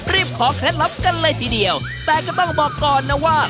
ขอเคล็ดลับกันเลยทีเดียวแต่ก็ต้องบอกก่อนนะว่า